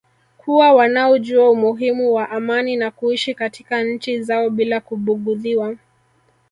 kuna wanaojua umuhimu wa amani na kuishi katika nchi zao bila kubugudhiwa